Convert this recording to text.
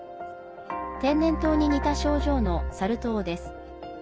天然痘に似た症状のサル痘です。